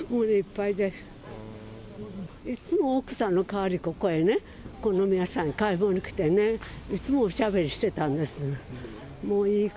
いつも奥さんの代わり、ここへね、コノミヤさんに買い物に来てね、いつもおしゃべりしてたんです。